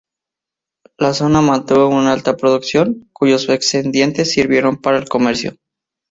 La zona mantuvo una alta producción, cuyos excedentes sirvieron para el comercio.